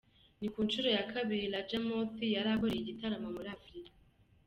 Ni ku nshuro ya kabiri Raja Moorthy yari akoreye igitaramo muri Afurika.